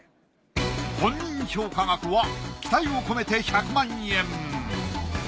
本人評価額は期待を込めて１００万円。